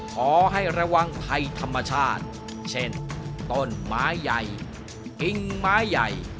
ขอให้ระวังภัยธรรมชาติเช่นต้นไม้ใหญ่กิ่งไม้ใหญ่